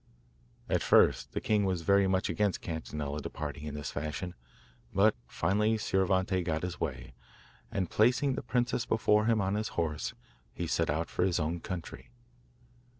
At first the king was very much against Cannetella's departing in this fashion; but finally Scioravante got his way, and placing the princess before him on his horse, he set out for his own country.